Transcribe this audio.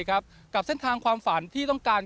กับเส้นทางความฝันที่ต้องการ